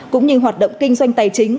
cũng như hoạt động kinh doanh tài chính